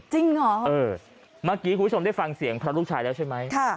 จริงเหรอเออเมื่อกี้คุณผู้ชมได้ฟังเสียงพระลูกชายแล้วใช่ไหม